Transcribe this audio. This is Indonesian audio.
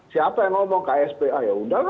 siapa yang ngomong ksp ah yaudah